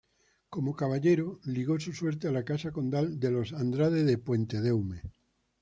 Como caballero, ligó su suerte a la casa condal de los Andrade de Puentedeume.